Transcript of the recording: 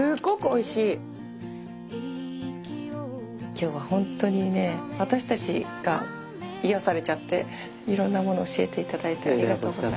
今日はホントにね私たちが癒やされちゃっていろんなもの教えていただいてありがとうございました。